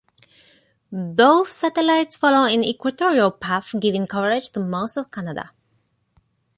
Both satellites follow an equatorial path, giving coverage to most of Canada.